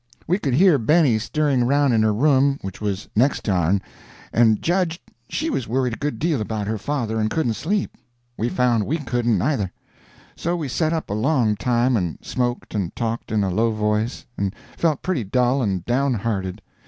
We could hear Benny stirring around in her room, which was next to ourn, and judged she was worried a good deal about her father and couldn't sleep. We found we couldn't, neither. So we set up a long time, and smoked and talked in a low voice, and felt pretty dull and down hearted.